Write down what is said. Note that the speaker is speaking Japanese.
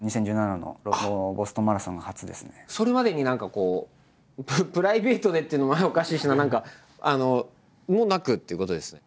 それまでに何かこうプライベートでっていうのもおかしいしな何か。もなくっていうことですね？